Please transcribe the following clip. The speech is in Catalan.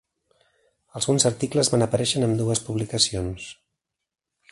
Alguns articles van aparèixer en ambdues publicacions.